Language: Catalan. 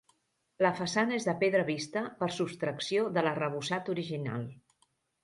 La façana és de pedra vista per subtracció de l'arrebossat original.